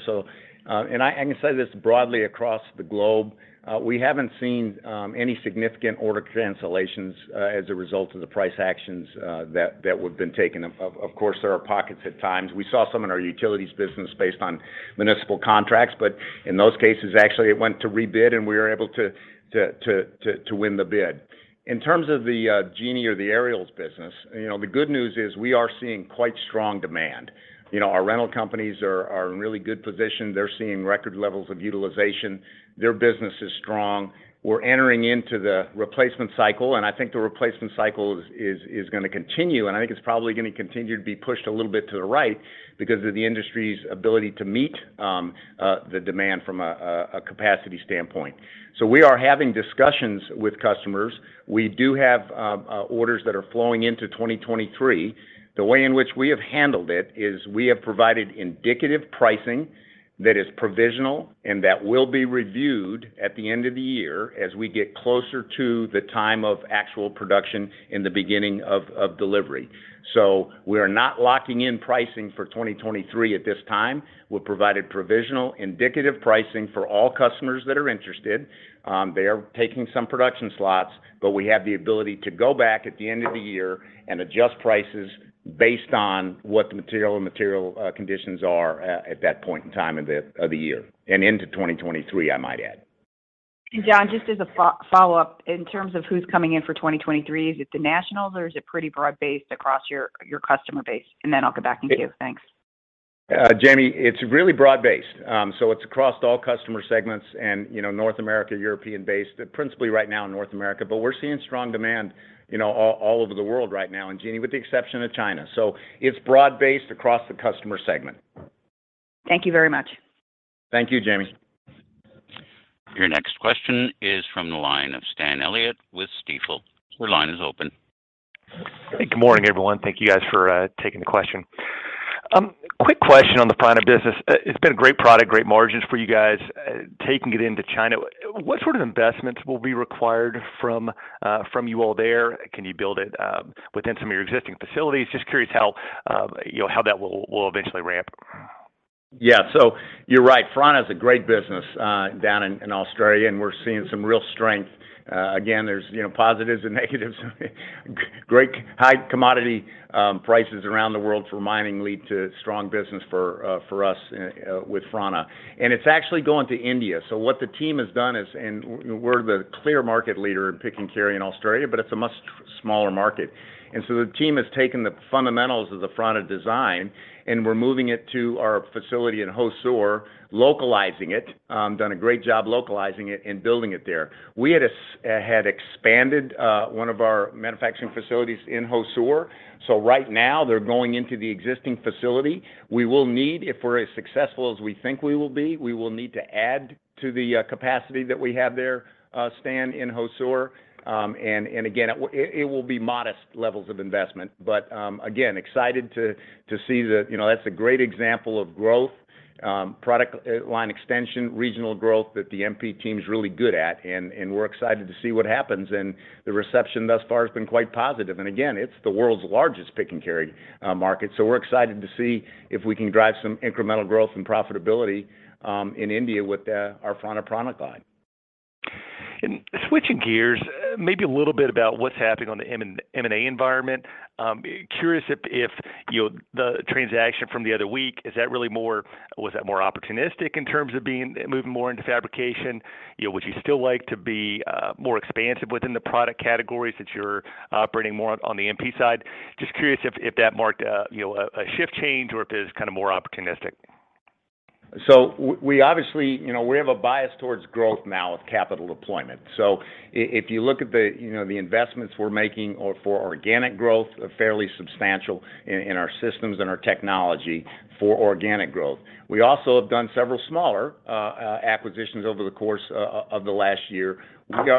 I can say this broadly across the globe. We haven't seen any significant order cancellations as a result of the price actions that we've been taking. Of course, there are pockets at times. We saw some in our utilities business based on municipal contracts, but in those cases, actually it went to rebid, and we were able to win the bid. In terms of the Genie or the Aerials business, you know, the good news is we are seeing quite strong demand. You know, our rental companies are in really good position. They're seeing record levels of utilization. Their business is strong. We're entering into the replacement cycle, and I think the replacement cycle is gonna continue, and I think it's probably gonna continue to be pushed a little bit to the right because of the industry's ability to meet the demand from a capacity standpoint. We are having discussions with customers. We do have orders that are flowing into 2023. The way in which we have handled it is we have provided indicative pricing that is provisional and that will be reviewed at the end of the year as we get closer to the time of actual production in the beginning of delivery. We are not locking in pricing for 2023 at this time. We've provided provisional indicative pricing for all customers that are interested. They are taking some production slots, but we have the ability to go back at the end of the year and adjust prices based on what the material conditions are at that point in time of the year, and into 2023, I might add. John, just as a follow-up, in terms of who's coming in for 2023, is it the nationals or is it pretty broad-based across your customer base? Then I'll get back in queue. Thanks. Jamie, it's really broad-based. It's across all customer segments and, you know, North America, European-based, principally right now in North America, but we're seeing strong demand, you know, all over the world right now in Genie with the exception of China. It's broad-based across the customer segment. Thank you very much. Thank you, Jamie. Your next question is from the line of Stanley Elliott with Stifel. Your line is open. Good morning, everyone. Thank you guys for taking the question. Quick question on the Franna business. It's been a great product, great margins for you guys, taking it into China. What sort of investments will be required from you all there? Can you build it within some of your existing facilities? Just curious how, you know, how that will eventually ramp. Yeah. You're right. Franna is a great business, down in Australia, and we're seeing some real strength. Again, there's, you know, positives and negatives. Great high commodity prices around the world for mining lead to strong business for us with Franna. It's actually going to India. What the team has done is, and we're the clear market leader in pick and carry in Australia, but it's a much smaller market. The team has taken the fundamentals of the Franna design, and we're moving it to our facility in Hosur, localizing it. Done a great job localizing it and building it there. We had expanded one of our manufacturing facilities in Hosur. Right now they're going into the existing facility. We will need, if we're as successful as we think we will be, to add to the capacity that we have there, Stan, in Hosur. It will be modest levels of investment. Again, excited to see that, you know, that's a great example of growth, product line extension, regional growth that the MP team's really good at. We're excited to see what happens. The reception thus far has been quite positive. Again, it's the world's largest pick and carry market. We're excited to see if we can drive some incremental growth and profitability in India with our Franna product line. Switching gears, maybe a little bit about what's happening on the M&A environment. Curious if, you know, the transaction from the other week, is that really more opportunistic in terms of moving more into fabrication? You know, would you still like to be more expansive within the product categories that you're operating more on the MP side? Just curious if that marked a sea change or if it was kind of more opportunistic. We obviously, you know, we have a bias towards growth now with capital deployment. If you look at the, you know, the investments we're making or for organic growth are fairly substantial in our systems and our technology for organic growth. We also have done several smaller acquisitions over the course of the last year.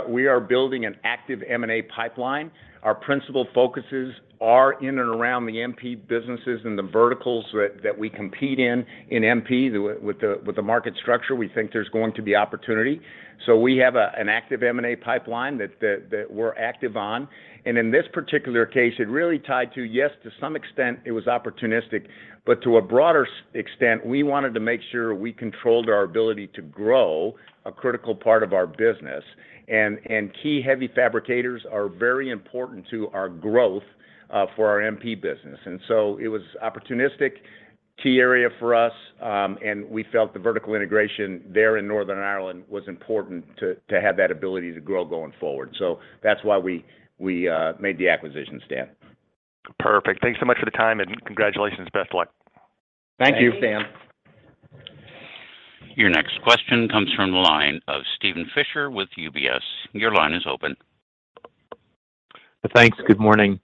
We are building an active M&A pipeline. Our principal focuses are in and around the MP businesses and the verticals that we compete in MP. With the market structure, we think there's going to be opportunity. We have an active M&A pipeline that we're active on. In this particular case, it really tied to, yes, to some extent it was opportunistic, but to a broader extent, we wanted to make sure we controlled our ability to grow a critical part of our business. Key heavy fabricators are very important to our growth for our MP business. It was opportunistic. Key area for us, and we felt the vertical integration there in Northern Ireland was important to have that ability to grow going forward. That's why we made the acquisition, Stan. Perfect. Thanks so much for the time, and congratulations. Best of luck. Thank you. Thanks. Stan. Your next question comes from the line of Steven Fisher with UBS. Your line is open. Thanks. Good morning.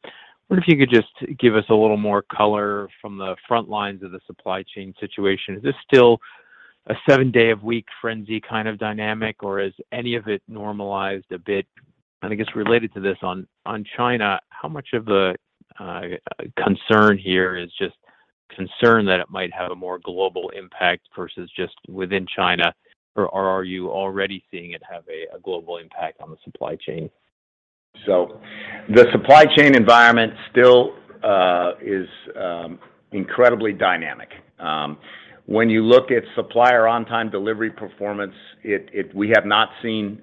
Wonder if you could just give us a little more color from the front lines of the supply chain situation. Is this still a seven-day-a-week frenzy kind of dynamic, or has any of it normalized a bit? I guess related to this, on China, how much of the concern here is just concern that it might have a more global impact versus just within China? Or are you already seeing it have a global impact on the supply chain? The supply chain environment still is incredibly dynamic. When you look at supplier on-time delivery performance, we have not seen.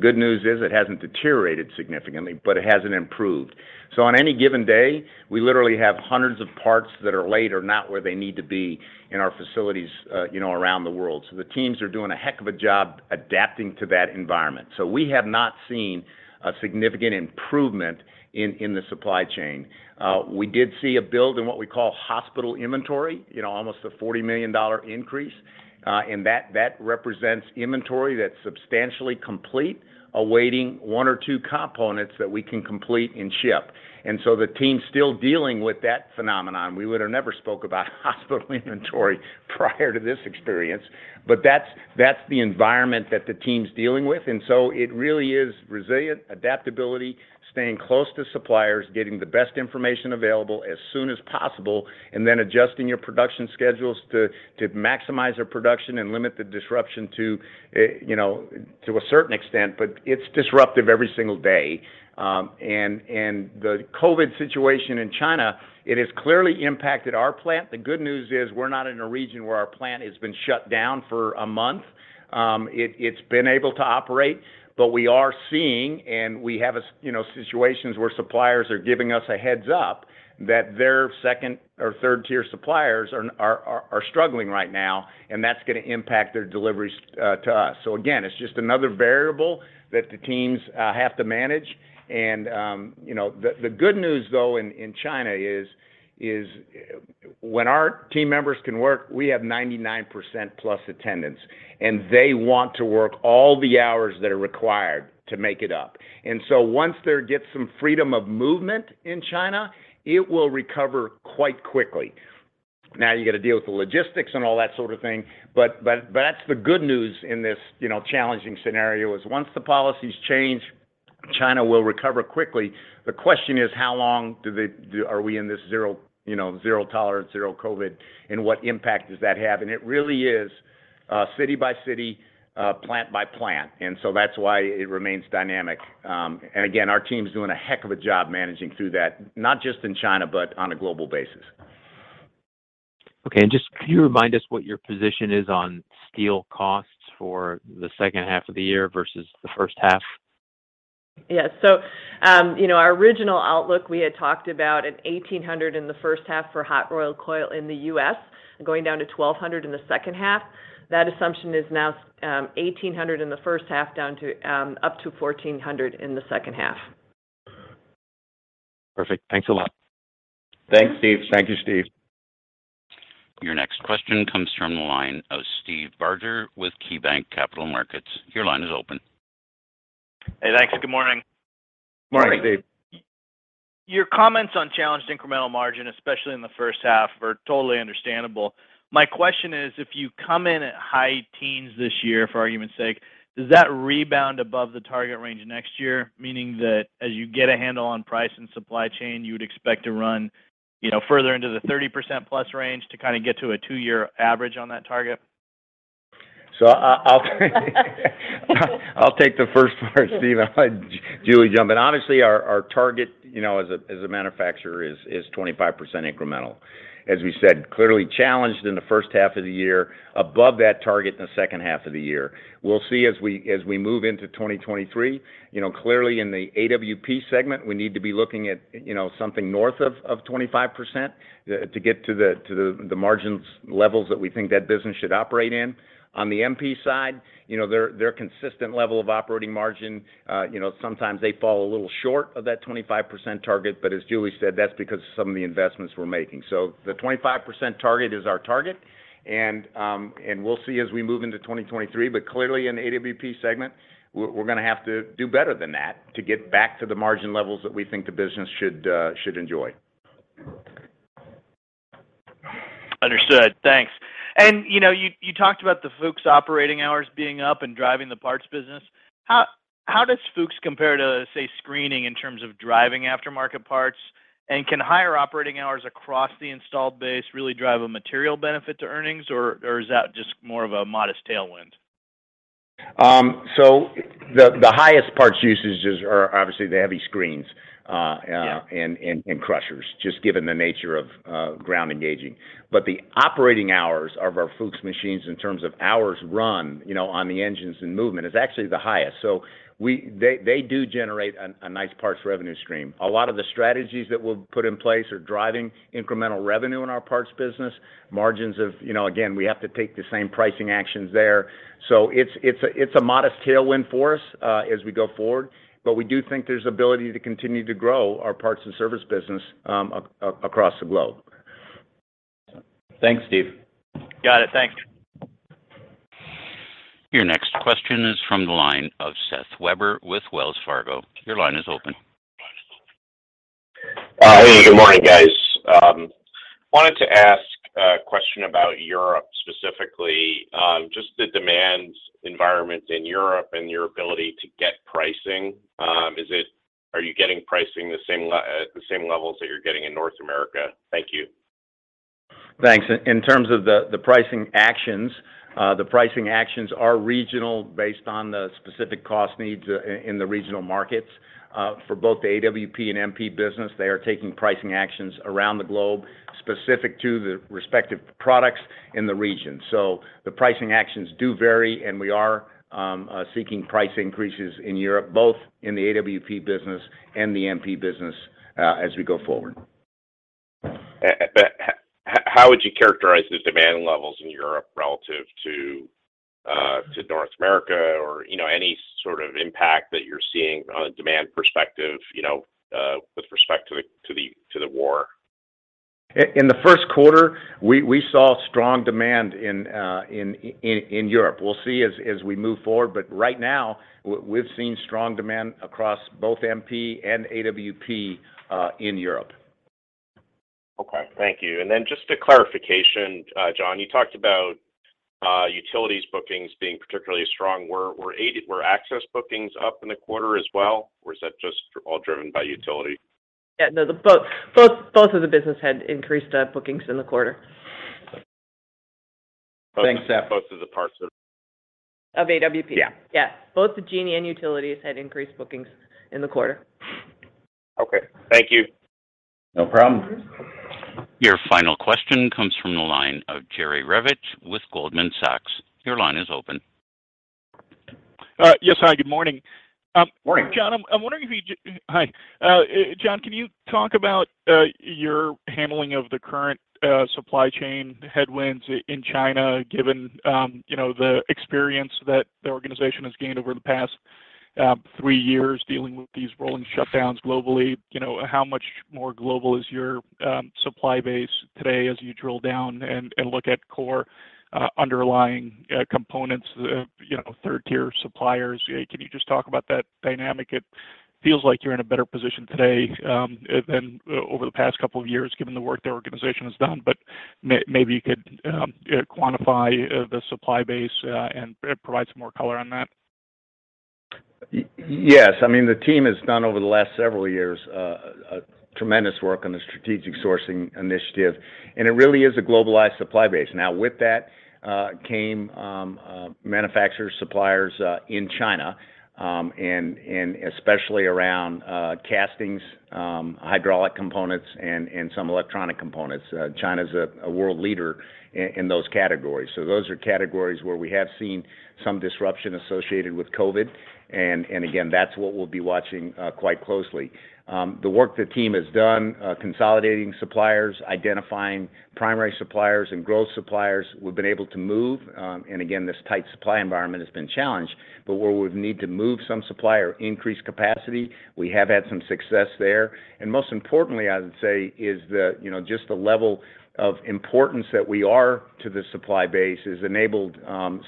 Good news is it hasn't deteriorated significantly, but it hasn't improved. On any given day, we literally have hundreds of parts that are late or not where they need to be in our facilities, you know, around the world. The teams are doing a heck of a job adapting to that environment. We have not seen a significant improvement in the supply chain. We did see a build in what we call hostage inventory, you know, almost a $40 million increase. And that represents inventory that's substantially complete, awaiting one or two components that we can complete and ship. The team's still dealing with that phenomenon. We would have never spoke about hostage inventory prior to this experience, but that's the environment that the team's dealing with. It really is resilient adaptability, staying close to suppliers, getting the best information available as soon as possible, and then adjusting your production schedules to maximize their production and limit the disruption to you know to a certain extent, but it's disruptive every single day. The COVID situation in China, it has clearly impacted our plant. The good news is we're not in a region where our plant has been shut down for a month. It's been able to operate, but we are seeing, and we have situations where suppliers are giving us a heads-up that their second or third tier suppliers are struggling right now, and that's gonna impact their deliveries to us. It's just another variable that the teams have to manage. You know, the good news though in China is when our team members can work, we have 99% plus attendance, and they want to work all the hours that are required to make it up. Once there gets some freedom of movement in China, it will recover quite quickly. You gotta deal with the logistics and all that sort of thing, but that's the good news in this, you know, challenging scenario, is once the policies change, China will recover quickly. The question is how long are we in this zero, you know, zero tolerance, zero COVID, and what impact does that have? It really is city by city, plant by plant. That's why it remains dynamic. Again, our team's doing a heck of a job managing through that, not just in China, but on a global basis. Okay. Just can you remind us what your position is on steel costs for the second half of the year versus the first half? You know, our original outlook, we had talked about a $1,800 in the first half for hot rolled coil in the U.S. and going down to $1,200 in the second half. That assumption is now $1,800 in the first half down to up to $1,400 in the second half. Perfect. Thanks a lot. Thanks, Steve. Thank you. Thank you, Steve. Your next question comes from the line of Steve Barger with KeyBanc Capital Markets. Your line is open. Hey, thanks. Good morning. Morning, Steve. Your comments on challenged incremental margin, especially in the first half, are totally understandable. My question is, if you come in at high teens this year, for argument's sake, does that rebound above the target range next year? Meaning that as you get a handle on price and supply chain, you would expect to run, you know, further into the 30+% range to kind of get to a two-year average on that target. I'll take the first part, Steve. I'll let Julie jump in. Honestly, our target, you know, as a manufacturer is 25% incremental. As we said, clearly challenged in the first half of the year, above that target in the second half of the year. We'll see as we move into 2023. You know, clearly in the AWP segment, we need to be looking at, you know, something north of 25%, to get to the margins levels that we think that business should operate in. On the MP side, you know, their consistent level of operating margin, you know, sometimes they fall a little short of that 25% target, but as Julie said, that's because of some of the investments we're making. The 25% target is our target, and we'll see as we move into 2023, but clearly in the AWP segment, we're gonna have to do better than that to get back to the margin levels that we think the business should enjoy. Understood. Thanks. You know, you talked about the Fuchs operating hours being up and driving the parts business. How does Fuchs compare to, say, screening in terms of driving aftermarket parts? Can higher operating hours across the installed base really drive a material benefit to earnings or is that just more of a modest tailwind? The highest parts usages are obviously the heavy screens. and crushers, just given the nature of ground engaging. The operating hours of our Fuchs machines in terms of hours run, you know, on the engines and movement is actually the highest. They do generate a nice parts revenue stream. A lot of the strategies that we'll put in place are driving incremental revenue in our parts business. Margins. You know, again, we have to take the same pricing actions there. It's a modest tailwind for us as we go forward, but we do think there's ability to continue to grow our parts and service business across the globe. Thanks, Steve. Got it. Thanks. Your next question is from the line of Seth Weber with Wells Fargo. Your line is open. Hey, good morning, guys. Wanted to ask a question about Europe, specifically, just the demand environment in Europe and your ability to get pricing. Are you getting pricing at the same levels that you're getting in North America? Thank you. Thanks. In terms of the pricing actions, the pricing actions are regional based on the specific cost needs in the regional markets. For both the AWP and MP business, they are taking pricing actions around the globe specific to the respective products in the region. The pricing actions do vary, and we are seeking price increases in Europe, both in the AWP business and the MP business as we go forward. How would you characterize the demand levels in Europe relative to North America or any sort of impact that you're seeing on a demand perspective with respect to the war? In the first quarter, we saw strong demand in Europe. We'll see as we move forward, but right now, we've seen strong demand across both MP and AWP in Europe. Okay. Thank you. Just a clarification, John, you talked about utilities bookings being particularly strong. Were access bookings up in the quarter as well, or is that just all driven by utility? Both of the business had increased bookings in the quarter. Thanks, Seth. Both of the parts of- Of AWP. Yeah. Yeah. Both the Genie and Utilities had increased bookings in the quarter. Okay. Thank you. No problem. Your final question comes from the line of Jerry Revich with Goldman Sachs. Your line is open. Yes. Hi, good morning. Morning. Hi, John, can you talk about your handling of the current supply chain headwinds in China, given you know, the experience that the organization has gained over the past three years dealing with these rolling shutdowns globally? You know, how much more global is your supply base today as you drill down and look at core underlying components, you know, third-tier suppliers? Can you just talk about that dynamic? It feels like you're in a better position today than over the past couple of years, given the work the organization has done. Maybe you could quantify the supply base and provide some more color on that. Yes. I mean, the team has done over the last several years a tremendous work on the strategic sourcing initiative, and it really is a globalized supply base. Now, with that came manufacturers, suppliers in China, and especially around castings, hydraulic components and some electronic components. China's a world leader in those categories. So those are categories where we have seen some disruption associated with COVID and again, that's what we'll be watching quite closely. The work the team has done consolidating suppliers, identifying primary suppliers and growth suppliers, we've been able to move, and again, this tight supply environment has been challenged. But where we've needed to move some supply or increase capacity, we have had some success there. Most importantly, I would say is the, you know, just the level of importance that we are to the supply base has enabled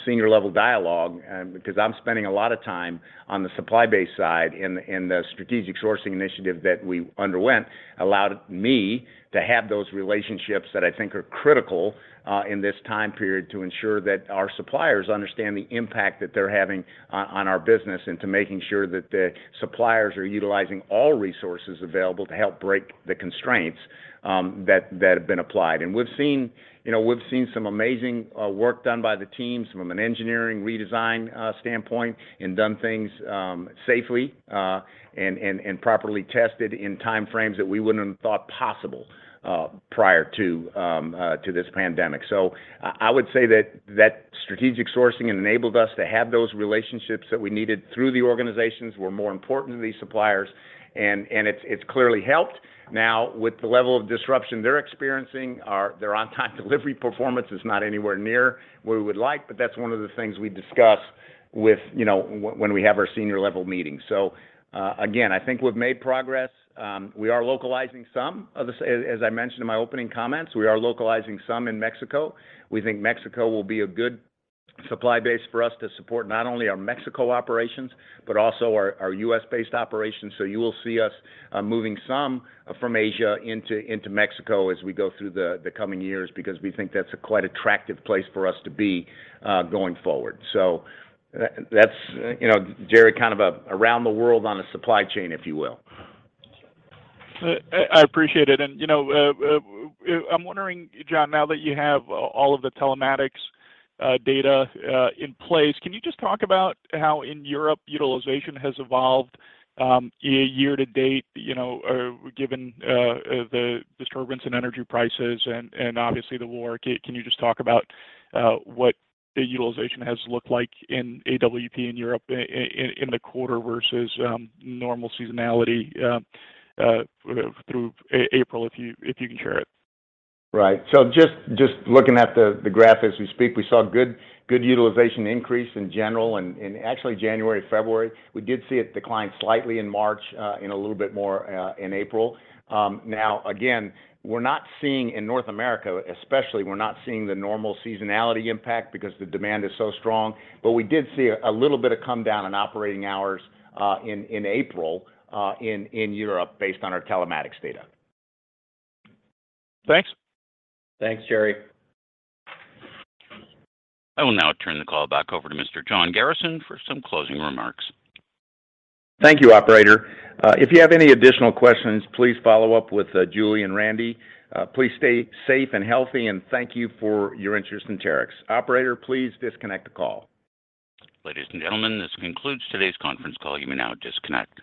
senior level dialogue. Because I'm spending a lot of time on the supply base side in the strategic sourcing initiative that we underwent, allowed me to have those relationships that I think are critical in this time period to ensure that our suppliers understand the impact that they're having on our business and to making sure that the suppliers are utilizing all resources available to help break the constraints that have been applied. We've seen, you know, we've seen some amazing work done by the teams from an engineering redesign standpoint and done things safely and properly tested in time frames that we wouldn't have thought possible prior to this pandemic. I would say that strategic sourcing enabled us to have those relationships that we needed through the organizations were more important to these suppliers and it's clearly helped. Now, with the level of disruption they're experiencing, their on-time delivery performance is not anywhere near where we would like, but that's one of the things we discuss with, you know, when we have our senior level meetings. Again, I think we've made progress. We are localizing some in Mexico, as I mentioned in my opening comments. We think Mexico will be a good supply base for us to support not only our Mexico operations, but also our U.S.-based operations. You will see us moving some from Asia into Mexico as we go through the coming years because we think that's a quite attractive place for us to be going forward. That's, you know, Jerry, kind of a around the world on a supply chain, if you will. I appreciate it. You know, I'm wondering, John, now that you have all of the telematics data in place, can you just talk about how in Europe utilization has evolved, year to date, you know, the disturbance in energy prices and obviously the war? Can you just talk about what the utilization has looked like in AWP in Europe in the quarter versus normal seasonality through April, if you can share it? Right. Just looking at the graph as we speak, we saw good utilization increase in general in actually January, February. We did see it decline slightly in March, and a little bit more in April. Now again, we're not seeing in North America, especially we're not seeing the normal seasonality impact because the demand is so strong. We did see a little bit of come down in operating hours in April in Europe based on our telematics data. Thanks. Thanks, Jerry. I will now turn the call back over to Mr. John Garrison for some closing remarks. Thank you, operator. If you have any additional questions, please follow up with Julie and Randy. Please stay safe and healthy, and thank you for your interest in Terex. Operator, please disconnect the call. Ladies and gentlemen, this concludes today's conference call. You may now disconnect.